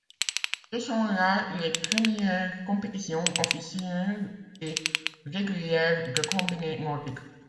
Ce sont là les premières compétitions officielles et régulières de combiné nordique.